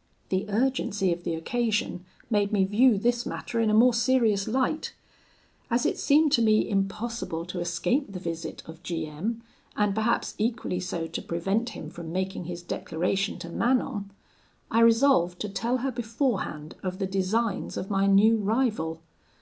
'" "The urgency of the occasion made me view this matter in a more serious light. As it seemed to me impossible to escape the visit of G M , and perhaps equally so to prevent him from making his declaration to Manon, I resolved to tell her beforehand of the designs of my new rival.